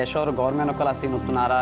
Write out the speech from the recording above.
saya harus berkuasa dengan semuanya